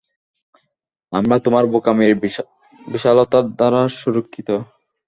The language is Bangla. আমরা তোমার বোকামির বিশালতার দ্বারা সুরক্ষিত।